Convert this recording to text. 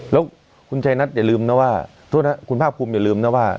แล้วคุณชัยนัทอย่าลืมนะว่าโทษนะคุณภาคภูมิอย่าลืมนะว่า